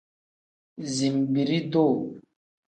Zinbiri-duu.